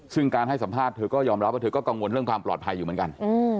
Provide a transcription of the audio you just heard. ซึ่งการให้สัมภาษณ์เธอก็ยอมรับว่าเธอก็กังวลเรื่องความปลอดภัยอยู่เหมือนกัน